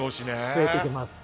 増えていきます。